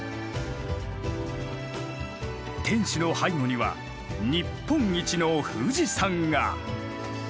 天守の背後には日本一の富士山が。